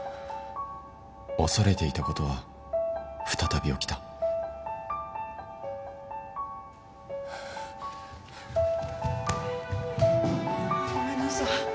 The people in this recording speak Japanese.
恐れていた事は再び起きたごめんなさい。